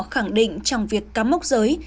khẳng định trong việc cắm mốc giới